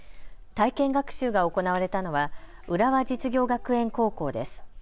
体験学習が行われたのは浦和実業学園高校です。